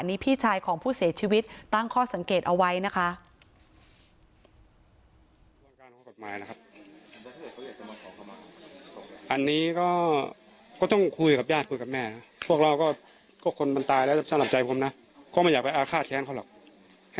นี่พี่ชายของผู้เสียชีวิตตั้งข้อสังเกตเอาไว้นะคะ